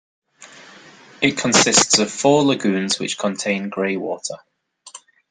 It consists of four lagoons which contain greywater.